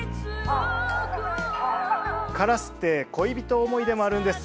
カラスって恋人思いでもあるんです。